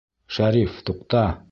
Шәриф, туҡта!